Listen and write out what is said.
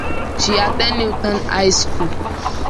She attended Newtown High School.